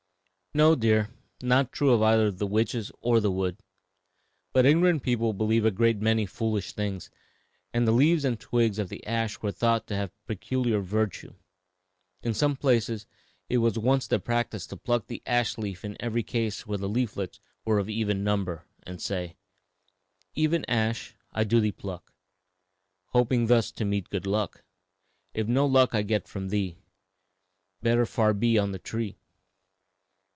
"No, dear, not true of either the witches or the wood. But ignorant people believe a great many foolish things, and the leaves and twigs of the ash tree were thought to have peculiar virtue. In some places it was once the practice to pluck an ash leaf in every case where the leaflets were of even number, and to say, "'Even ash, I do thee pluck, Hoping thus to meet good luck; If no luck I get from thee, Better far be on the tree.'"